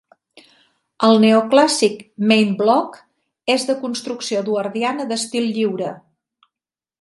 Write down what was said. El neoclàssic Main Block es de construcció eduardiana d'estil lliure.